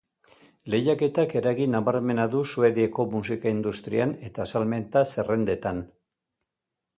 Lehiaketak eragin nabarmena du Suediako musika industrian eta salmenta zerrendetan.